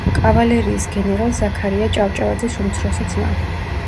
კავალერიის გენერალ ზაქარია ჭავჭავაძის უმცროსი ძმა.